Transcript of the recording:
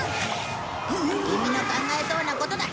キミの考えそうなことだ。